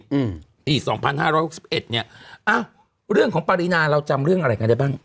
อืมปีสองพันห้าร้อยหกสิบเอ็ดเนี้ยอ้าวเรื่องของปรินาเราจำเรื่องอะไรกันได้บ้าง